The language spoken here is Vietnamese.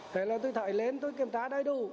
thế là tôi thầy lên tôi kiểm tra đầy đủ